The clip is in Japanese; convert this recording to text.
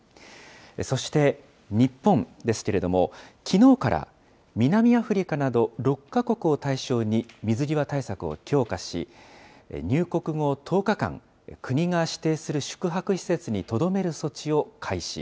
そして、日本ですけれども、きのうから、南アフリカなど６か国を対象に水際対策を強化し、入国後１０日間、国が指定する宿泊施設にとどめる措置を開始。